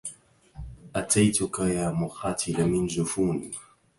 أتيتك يا مقاتل من جفون